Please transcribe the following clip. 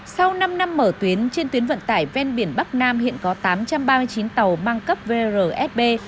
sau năm năm mở tuyến trên tuyến vận tải ven biển bắc nam hiện có tám trăm ba mươi chín tàu mang cấp vrsb